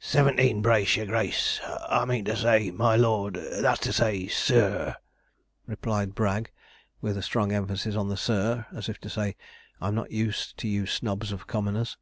'Seventeen brace, your grace, I mean to say my lord, that's to say sur,' replied Bragg, with a strong emphasis on the sur, as if to say, 'I'm not used to you snobs of commoners.'